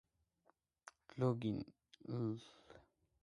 ლოგანი დაიბადა ბევერლი-ჰილზში, კალიფორნიაში.